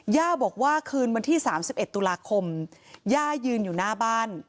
ย่าบอกว่าคืนวันที่๓๑ตุลาคมย่ายืนอยู่หน้าบ้าน